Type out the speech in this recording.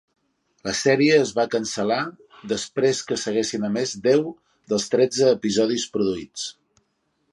La sèrie es va cancel·lar després que s'haguessin emès deu dels tretze episodis produïts.